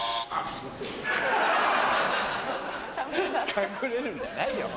隠れるんじゃないよ。